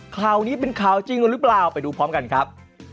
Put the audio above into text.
ข่าวนี้เป็นข่าวจริงหรือเปล่าไปดูพร้อมกันครับ